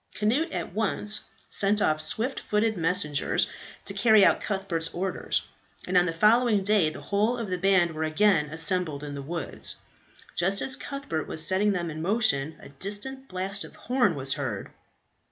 Cnut at once sent off swift footed messengers to carry out Cuthbert's orders, and on the following day the whole of the band were again assembled in the woods. Just as Cuthbert was setting them in motion, a distant blast of a horn was heard.